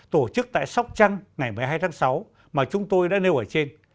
tổ chức tại sóc trăng ngày một mươi hai tháng sáu mà chúng tôi đã nêu ở trên